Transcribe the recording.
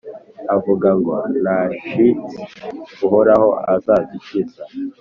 avuga ngo : Nta shiti, Uhoraho azadukiza,